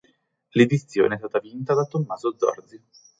L'edizione è stata vinta da Tommaso Zorzi.